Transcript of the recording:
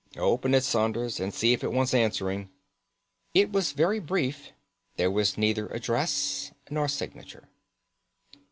"Open it, Saunders, and see if it wants answering." It was very brief. There was neither address nor signature.